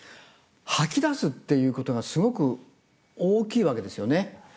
吐き出すっていうことがすごく大きいわけですよね。